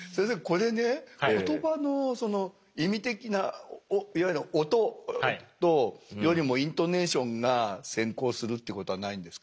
これね言葉のその意味的ないわゆる音よりもイントネーションが先行するっていうことはないんですか。